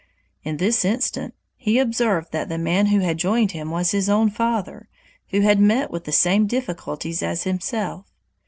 In this instant he observed that the man who had joined him was his own father, who had met with the same difficulties as himself.